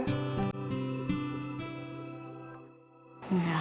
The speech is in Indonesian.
ya enggak apa apa